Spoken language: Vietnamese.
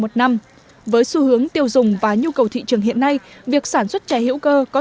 một năm với xu hướng tiêu dùng và nhu cầu thị trường hiện nay việc sản xuất chè hữu cơ có